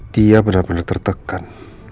dia benar benar tertekan